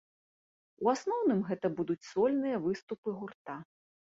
У асноўным гэта будуць сольныя выступы гурта.